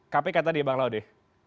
kpk tadi ya pak laude